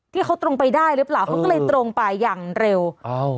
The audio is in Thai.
ตรงไปได้หรือเปล่าเขาก็เลยตรงไปอย่างเร็วอ้าว